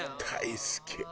大好き。